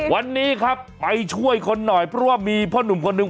วันนี้ครับไปช่วยคนหน่อยเพราะว่ามีพ่อหนุ่มคนนึง